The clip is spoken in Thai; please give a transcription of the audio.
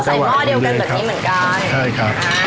เพราะเราใส่หม้อเดียวกันตัวนี้เหมือนกัน